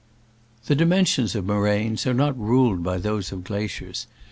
The dimensions of moraines are not ruled by those of glaciers.